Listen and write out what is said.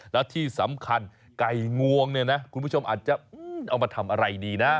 แล้วที่สำคัญไก่งวงเนี่ยนะคุณผู้ชมอาจจะเอามาทำอะไรดีนะ